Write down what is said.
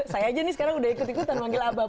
saya aja nih sekarang udah ikut ikutan manggil abang